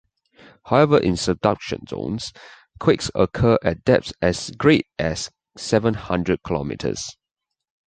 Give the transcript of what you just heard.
However, in subduction zones, quakes occur at depths as great as seven hundred kilometers.